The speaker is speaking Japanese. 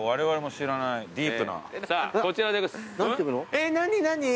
えっ何何？